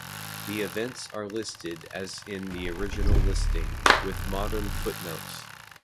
The events are listed as in the original listing, with modern footnotes.